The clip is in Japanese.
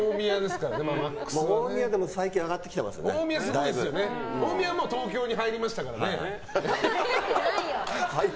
大宮は最近大宮、東京に入りましたからね。